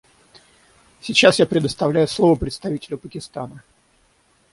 Сейчас я предоставляю слово представителю Пакистана.